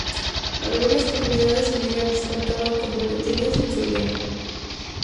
Algunas comunidades inmigrantes contaban con boletines en su idioma.